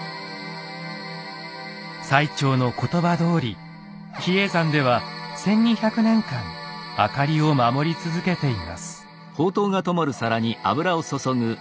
最澄の言葉どおり比叡山では１，２００年間灯りを守り続けています。